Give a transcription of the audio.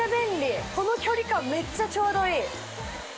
この距離感めっちゃちょうどいい！